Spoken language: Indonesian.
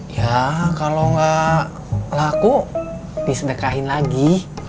ya kalau nggak laku disedekahin lagi